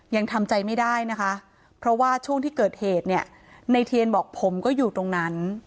ยังทำใจไม่ได้นะคะเพราะว่าช่วงที่เกิดเหตุเนี่ยในเทียนบอกผมก็อยู่ตรงนั้น